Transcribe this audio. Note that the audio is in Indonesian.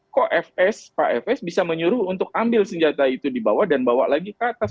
kok pak fs bisa menyuruh untuk ambil senjata itu dibawa dan bawa lagi ke atas